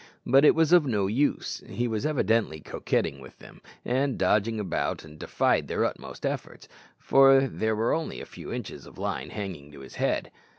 But it was of no use; he was evidently coquetting with them, and dodged about and defied their utmost efforts, for there were only a few inches of line hanging to his head.